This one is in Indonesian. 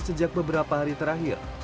sejak beberapa hari terakhir